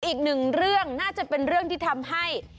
อีกหนึ่งเรื่องน่าจะเป็นเรื่องที่ทำให้